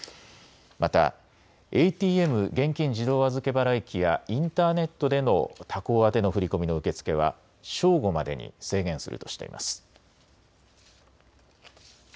また、ＡＴＭ・現金自動預払機やインターネットでの他行宛の振り込みの受け付けは正午までに制限するとしています。